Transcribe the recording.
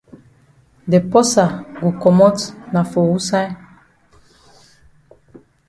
De porsa go komot na for wusaid?